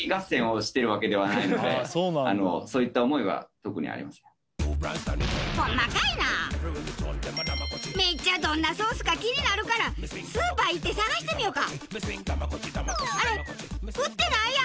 特にめっちゃどんなソースか気になるからスーパー行って探してみよか！